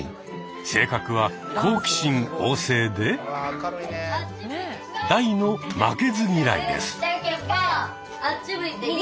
性格は好奇心旺盛で大の負けず嫌いです。